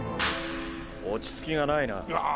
「落ち着きがないな」